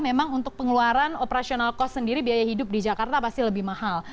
memang untuk pengeluaran operasional cost sendiri biaya hidup di jakarta pasti lebih mahal